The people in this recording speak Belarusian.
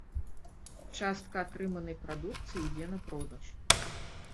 Частка атрыманай прадукцыі ідзе на продаж.